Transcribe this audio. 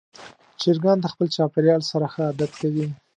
چرګان د خپل چاپېریال سره ښه عادت کوي.